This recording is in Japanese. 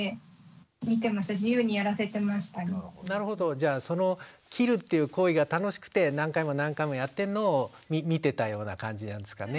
じゃあその切るっていう行為が楽しくて何回も何回もやってるのを見てたような感じなんですかね。